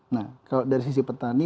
nah kalau dari sisi petani